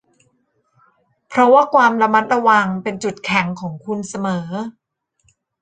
เพราะว่าความระมัดระวังเป็นจุดแข็งของคุณเสมอ